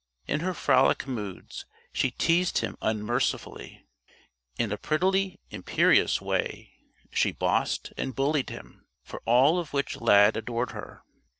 In her frolic moods she teased him unmercifully; in a prettily imperious way she bossed and bullied him for all of which Lad adored her.